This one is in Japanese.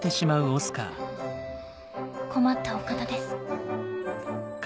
困ったお方です。